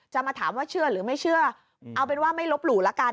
จะมาถามว่าเชื่อหรือไม่เชื่อเอาเป็นว่าไม่ลบหลู่ละกัน